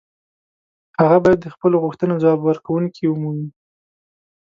هغه باید د خپلو غوښتنو ځواب ورکوونکې ومومي.